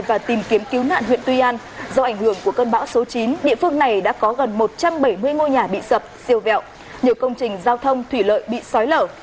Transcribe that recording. và tìm kiếm cứu nạn huyện tuy an do ảnh hưởng của cơn bão số chín địa phương này đã có gần một trăm bảy mươi ngôi nhà bị sập siêu vẹo nhiều công trình giao thông thủy lợi bị sói lở